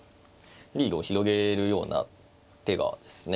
リードを広げるような手がですね